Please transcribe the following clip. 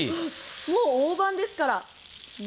もう大判ですから。